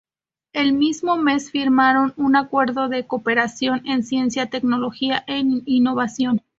El mismo mes firmaron un acuerdo de cooperación en Ciencia, tecnología e innovación.